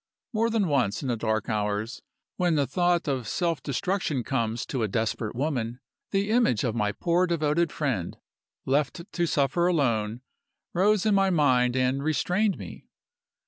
More than once in the dark hours when the thought of self destruction comes to a desperate woman, the image of my poor devoted friend, left to suffer alone, rose in my mind and restrained me.